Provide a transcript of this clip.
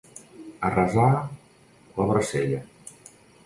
Arrasar la barcella.